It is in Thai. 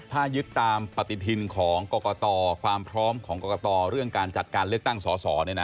ถ้ายึดตามปฏิทินของกรกตความพร้อมของกรกตเรื่องการจัดการเลือกตั้งสอสอ